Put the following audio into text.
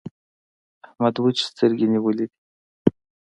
احمد وچې سترګې نيولې دي.